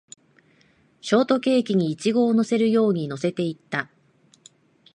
ショートケーキにイチゴを乗せるように乗せていった